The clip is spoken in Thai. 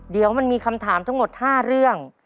เดี๋ยวมันมีคำถามทั้งหมด๕เรื่อง